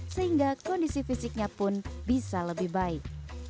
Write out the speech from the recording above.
sehingga kondisi fisiknya pun bisa lebih baik